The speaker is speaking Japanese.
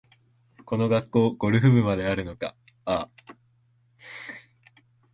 この学校、ゴルフ部まであるのかあ